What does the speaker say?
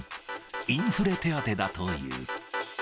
インフレ手当だという。